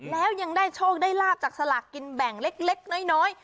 แล้วยังได้โชคได้ลาบจากสลากกินแบ่งเล็กน้อย